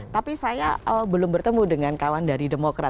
tapi saya belum bertemu dengan kawan dari demokrat